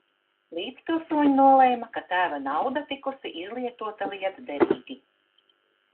Līdzpilsoņi nolēma, ka tēva nauda tikusi izlietota lietderīgi.